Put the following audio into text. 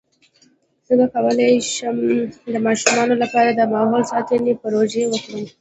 څنګه کولی شم د ماشومانو لپاره د ماحول ساتنې پروژې وکړم